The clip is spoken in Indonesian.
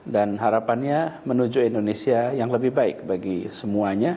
dan harapannya menuju indonesia yang lebih baik bagi semuanya